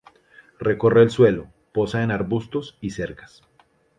Recorre el suelo, posa en arbustos y cercas.